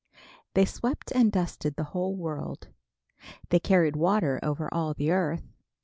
They swept and dusted the whole world. They carried water over all the earth.